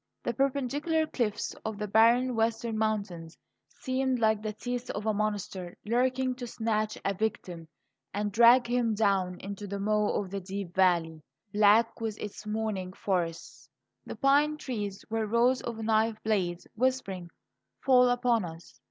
The perpendicular cliffs of the barren western mountains seemed like the teeth of a monster lurking to snatch a victim and drag him down into the maw of the deep valley, black with its moaning forests. The pine trees were rows of knife blades whispering: "Fall upon us!"